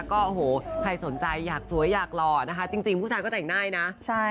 ก็โอ้โหใครสนใจอยากสวยอยากหล่อนะคะจริงผู้ชายก็แต่งง่ายนะใช่